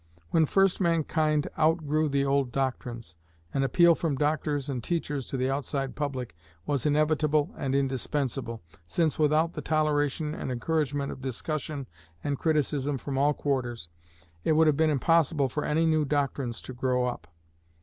When first mankind outgrew the old doctrines, an appeal from doctors and teachers to the outside public was inevitable and indispensable, since without the toleration and encouragement of discussion and criticism from all quarters, it would have been impossible for any new doctrines to grow up.